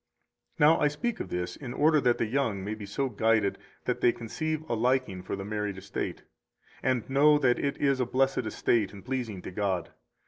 217 Now, I speak of this in order that the young may be so guided that they conceive a liking for the married estate, and know that it is a blessed estate and pleasing to God.